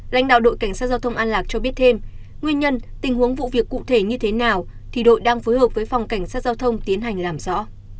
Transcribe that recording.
lãnh đạo đội cảnh sát giao thông an lạc cho biết thêm nguyên nhân tình huống vụ việc cụ thể như thế nào thì đội đang phối hợp với phòng cảnh sát giao thông tiến hành làm rõ